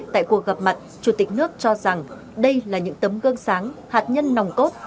tại cuộc gặp mặt chủ tịch nước cho rằng đây là những tấm gương sáng hạt nhân nòng cốt